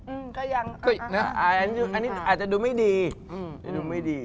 อืมก็ยังอันนี้อาจจะดูไม่ดี